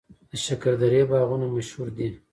د شکردرې باغونه مشهور دي